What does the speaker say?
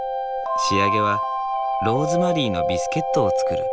仕上げはローズマリーのビスケットを作る。